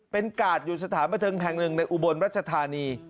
เป็นกาดอยู่สถานบันเทิงแห่งหนึ่งในอุบลรัชธานี